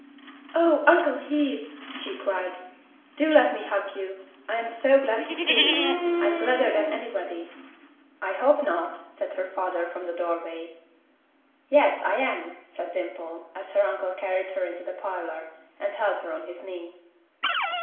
"Oh! Uncle Heath," she cried, "do let me hug you. I am so glad to see you. I'm gladder than anybody." "I hope not," said her father from the doorway. "Yes, I am," said Dimple, as her uncle carried her into the parlor, and held her on his knee.